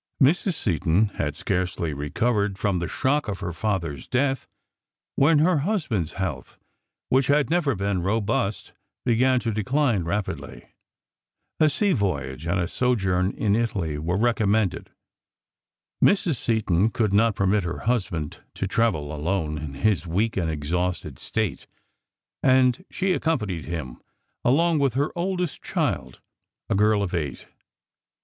Mrs. Seton had scarcely recovered from the shock of her father's death when her husband's health, which had never been robust, began to decline rapidly. A sea voyage and a sojourn in Italy were recommended. Mrs. Seton could not permit her husband to travel alone in his weak and exhausted state, and she accompanied him, along with her oldest child, a girl of eight.